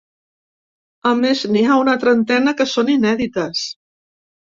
A més n’hi ha una trentena que són inèdites.